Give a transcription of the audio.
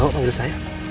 oh tiup lilin ya